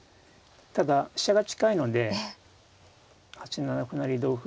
ただ飛車が近いので８七歩成同歩